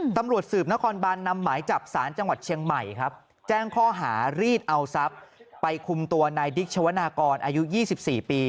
ตำรวจสืบนครบานนำหมายจับสารจังหวัดเชียงใหม่ครับแจ้งข้อหารีดเอาทรัพย์ไปคุมตัวนายดิ๊กชวนากรอายุ๒๔ปี